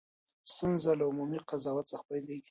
ستونزه له عمومي قضاوت څخه پیلېږي.